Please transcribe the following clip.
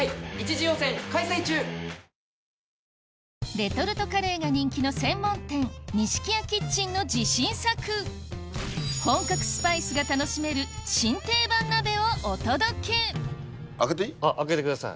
レトルトカレーが人気の専門店ＮＩＳＨＩＫＩＹＡＫＩＴＣＨＥＮの自信作本格スパイスが楽しめる新定番鍋をお届け開けていい？